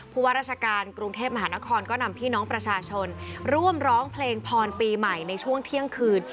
ว่าราชการกรุงเทพมหานครก็นำพี่น้องประชาชนร่วมร้องเพลงพรปีใหม่ในช่วงเที่ยงคืน